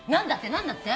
何だって？